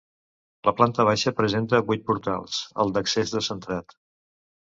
La planta baixa presenta vuit portals, el d'accés descentrat.